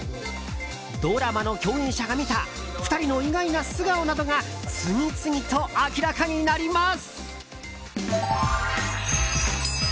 ドラマの共演者が見た２人の意外な素顔などが次々と明らかになります。